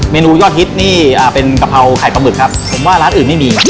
เมนูยอดฮิตนี่เป็นกะเพราไข่ปลาหมึกครับผมว่าร้านอื่นไม่มี